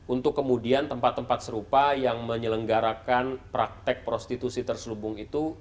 untuk kemudian tempat tempat serupa yang menyelenggarakan praktek prostitusi terselubung itu